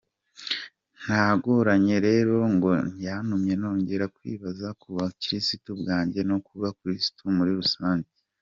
Ntagoranye rero nge yatumye nongera kwibaza kubukristu bwange no kubukristu muri rusange.